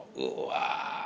うわ。